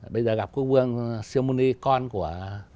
bây giờ gặp quốc vương siêu môn ích con của